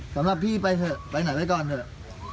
สำหรับพี่ไปเถอะไปไหนไว้ก่อนเถอะ